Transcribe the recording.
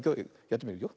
やってみるよ。